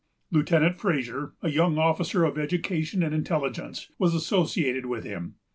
Lieutenant Fraser, a young officer of education and intelligence, was associated with him.